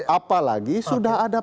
apalagi sudah ada